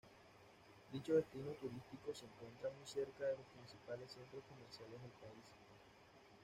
Dicho destino turístico se encuentra muy cerca de los principales centros comerciales del país.